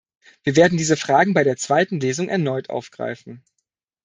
Wir werden diese Fragen bei der zweiten Lesung erneut aufgreifen.